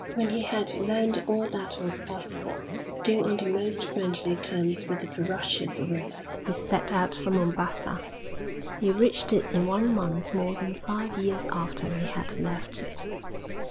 When he had learnt all that was possible, still on the most friendly terms with the ferocious ruler, he set out for Mombassa. He reached it in one month more than five years after he had left it.